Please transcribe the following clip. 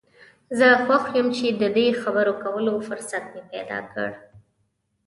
زه خوښ یم چې د دې خبرو کولو فرصت مې پیدا کړ.